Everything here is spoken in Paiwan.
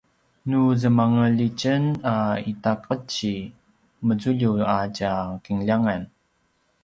nu zemangal itjen a itaqeci mezulju a tja kinljangan